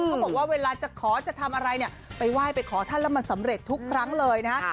เขาบอกว่าเวลาจะขอจะทำอะไรเนี่ยไปไหว้ไปขอท่านแล้วมันสำเร็จทุกครั้งเลยนะฮะ